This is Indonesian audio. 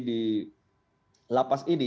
di lapas ini